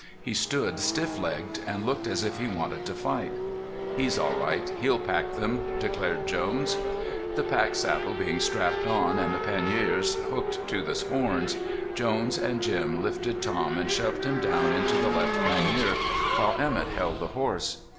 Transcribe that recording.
He stood stiff legged, and looked as if he wanted to fight. "He's all right; he'll pack them," declared Jones. The packsaddle being strapped on and the panniers hooked to the horns, Jones and Jim lifted Tom and shoved him down into the left pannier while Emett held the horse.